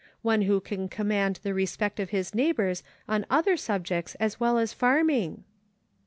One who can command the respect of his neigh bors on other subjects as well as farming